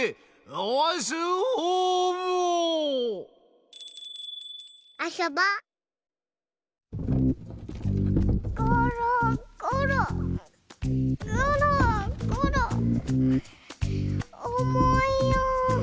おもいよ。